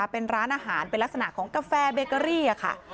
เป็นร้านอาหารเป็นลักษณะของกาแฟเบเกอรี่ค่ะ